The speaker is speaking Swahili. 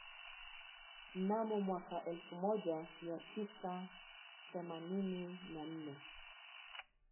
Mnamo mwaka elfu moja mia tisa themanini na nne